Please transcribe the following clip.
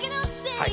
はい